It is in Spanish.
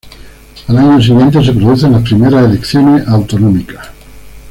Al año siguiente se producen las primeras elecciones autonómicas.